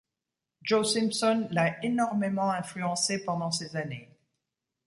Joe Simpson l'a énormément influencé pendant ces années.